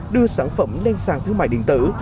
đưa sản phẩm lên sàn thương mại điện tử